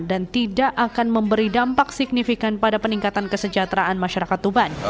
dan tidak akan memberi dampak signifikan pada peningkatan kesejahteraan masyarakat tuban